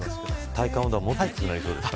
体感温度はもっと低くなりそうですか。